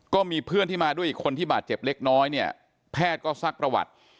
ก็มีเพื่อนที่มาด้วยอีกคนที่บาดเจ็บเล็กน้อยเนี่ยแพทย์ก็ซักประวัติ